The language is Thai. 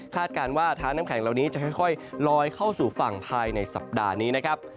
การว่าท้าน้ำแข็งเหล่านี้จะค่อยลอยเข้าสู่ฝั่งภายในสัปดาห์นี้นะครับ